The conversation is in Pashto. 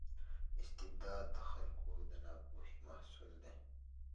استبداد د خلکو د ناپوهۍ محصول دی.